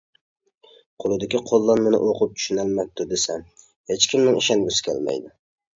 قۇلىدىكى قوللانمىنى ئوقۇپ چۈشىنەلمەپتۇ دېسە ھېچكىمنىڭ ئىشەنگۈسى كەلمەيدۇ.